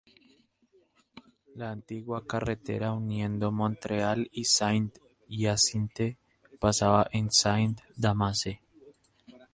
La antigua carretera uniendo Montreal y Saint-Hyacinthe pasaba en Saint-Damase.